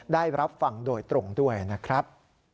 ได้รับฟังโดยตรงด้วยนะครับ